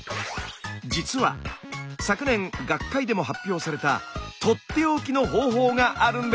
実は昨年学会でも発表されたとっておきの方法があるんです！